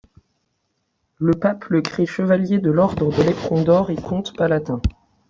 Le pape le crée chevalier de l'ordre de l’éperon d'or et comte palatin.